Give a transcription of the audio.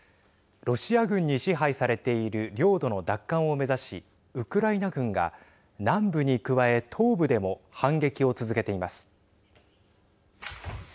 ロシア軍に支配されている領土の奪還を目指しウクライナ軍が南部に加え東部でも反撃を続けています。